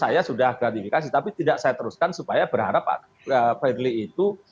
saya sudah gratifikasi tapi tidak saya teruskan supaya berharap pak firly itu